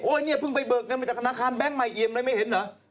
เนี่ยเพิ่งไปเบิกเงินมาจากธนาคารแบงค์ใหม่เอี่ยมเลยไม่เห็นเหรอ